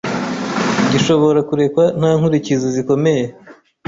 gishobora kurekwa nta nkurikizi zikomeye.